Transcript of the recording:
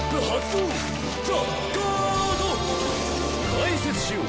解説しよう！